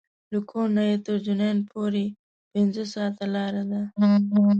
له کور نه یې تر جنین پورې پنځه ساعته لاره ده.